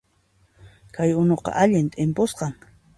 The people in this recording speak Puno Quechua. Kay unuqa allin t'impusqan